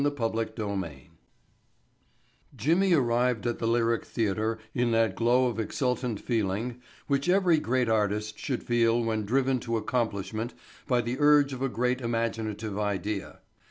Chapter Thirteen Jimmy arrived at the Lyric Theatre in that glow of exultant feeling which every great artist should feel when driven to accomplishment by the urge of a great imaginative idea.